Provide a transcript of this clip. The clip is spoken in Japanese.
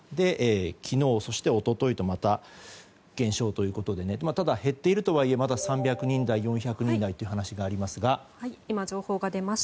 昨日そして一昨日とまた減少ということで減っているとはいえまだ３００人台４００人台という話があります。